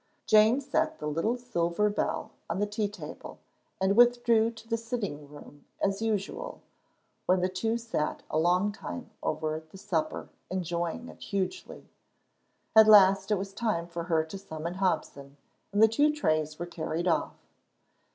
Jane set the little silver bell on the tea table, and withdrew to the sitting room as usual, when the two sat a long time over the supper enjoying it hugely. At last it was time for her to summon Hobson, and the two trays were carried off.